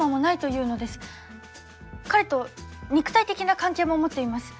彼と肉体的な関係も持っています。